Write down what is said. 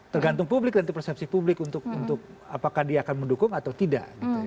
tergantung publik nanti persepsi publik untuk apakah dia akan mendukung atau tidak